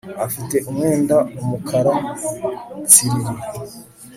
afite umwendaumukara tsiriri